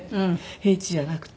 平地じゃなくて。